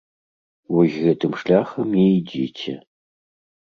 Вось гэтым шляхам і ідзіце.